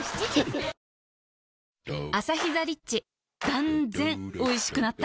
断然おいしくなった